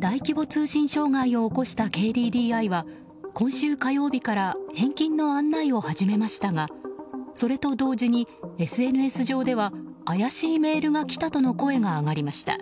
大規模通信障害を起こしたＫＤＤＩは今週火曜日から返金の案内を始めましたがそれと同時にＳＮＳ上では怪しいメールが来たとの声が上がりました。